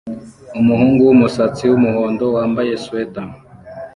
Umuhungu wumusatsi wumuhondo wambaye swater